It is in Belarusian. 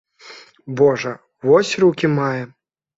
Божа, вось рукі мае.